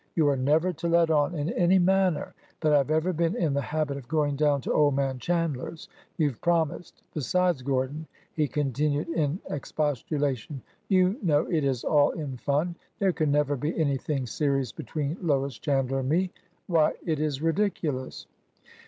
You are never to let on in any manner that I have ever been in the habit of going down to old man Chandler's. You 've prom ised! ... Besides, Gordon," he continued in expostu lation, " you know it is all in fun. There can never be anything serious between Lois Chandler and me! Why, it is ridiculous